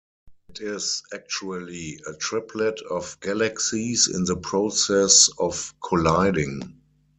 It is actually a triplet of galaxies in the process of colliding.